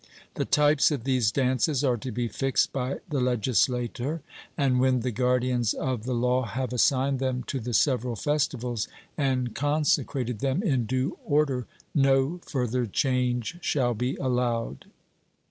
The types of these dances are to be fixed by the legislator, and when the guardians of the law have assigned them to the several festivals, and consecrated them in due order, no further change shall be allowed.